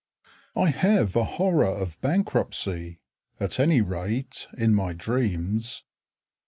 I have a horror of bankruptcy, At any rate in my dreams.